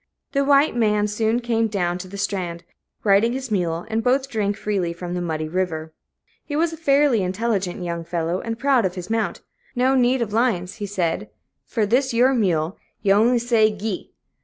The white man soon came down to the strand, riding his mule, and both drank freely from the muddy river. He was a fairly intelligent young fellow, and proud of his mount no need of lines, he said, for "this yer mule; ye on'y say 'gee!'